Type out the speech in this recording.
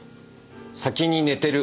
「先に寝てる。